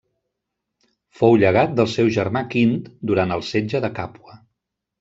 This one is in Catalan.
Fou llegat del seu germà Quint durant el setge de Càpua.